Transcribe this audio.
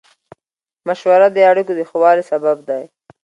مشوره د اړیکو د ښه والي سبب دی.